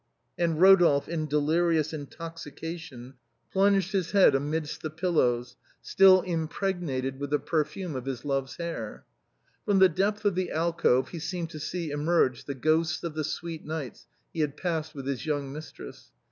" And Eodolphe, in delirious intoxication, plunged his head amongst the pillows, still impregnated with the per fume of his love's hair. From the depth of the alcove he seemed to see emerge the ghosts of the sweet nights he had passed with his young mistress.